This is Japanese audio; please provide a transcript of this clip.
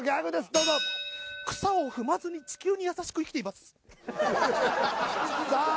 どうぞ草を踏まずに地球に優しく生きていますさあ